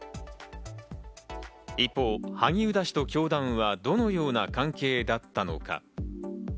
一方、萩生田氏と教団は、どのような関係だったのか？